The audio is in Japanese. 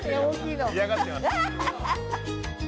嫌がってます。わ！